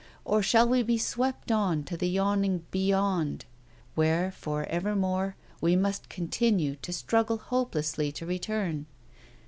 or shall we be swept on to the yawning Beyond where, for evermore, we must continue to struggle hopelessly to return?